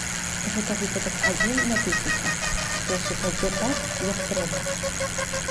Гэта выпадак адзін на тысячу, што супадзе так, як трэба.